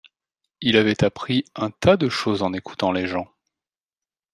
Il avait appris un tas de choses en écoutant les gens.